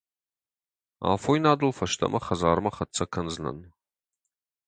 Афойнадыл фӕстӕмӕ хӕдзармӕ хӕццӕ кӕндзынӕн.